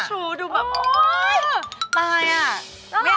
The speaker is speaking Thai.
ตายอ่ะไม่อยากทำงานละ